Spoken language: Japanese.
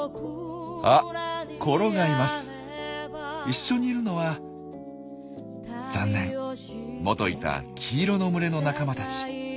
一緒にいるのは残念元いた黄色の群れの仲間たち。